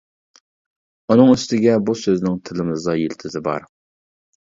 ئۇنىڭ ئۈستىگە، بۇ سۆزنىڭ تىلىمىزدا يىلتىزى بار.